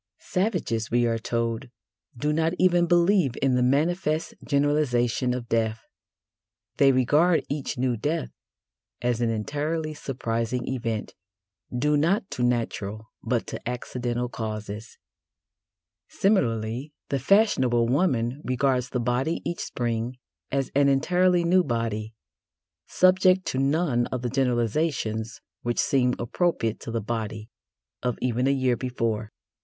Savages, we are told, do not even believe in the manifest generalisation of death: they regard each new death as an entirely surprising event, due not to natural, but to accidental causes. Similarly, the fashionable woman regards the body each Spring as an entirely new body, subject to none of the generalisations which seemed appropriate to the body of even a year before.